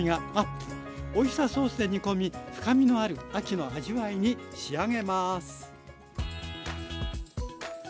オイスターソースで煮込み深みのある秋の味わいに仕上げます。